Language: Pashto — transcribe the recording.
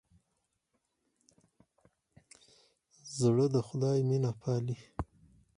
زړه د خدای مینه پالي.